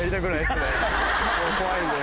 怖いんで。